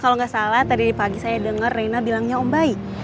kalau gak salah tadi di pagi saya denger rina bilangnya om baik